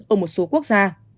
ở một số quốc gia